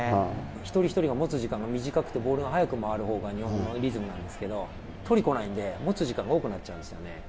一人一人が持つ時間が短くてボールが速く回るのが日本のリズムなんですけど取りに来ないので持つ時間が多くなっちゃうんですよね。